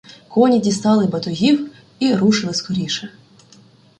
Коні дістали батогів і рушили скоріше.